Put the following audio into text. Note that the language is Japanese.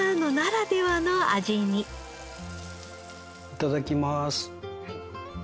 いただきます。